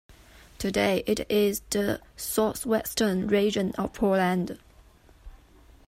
Today, it is the southwestern region of Poland.